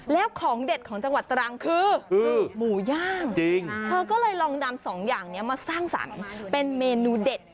แล้วของเด็ดของจังหวัดตรังคือหมูย่างเธอก็เลยลองนำสองอย่างนี้มาสร้างสรรค์เป็นเมนูเด็ด